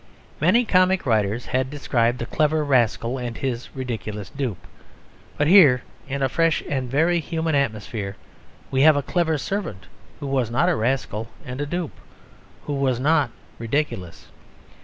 Many comic writers had described the clever rascal and his ridiculous dupe; but here, in a fresh and very human atmosphere, we have a clever servant who was not a rascal and a dupe who was not ridiculous.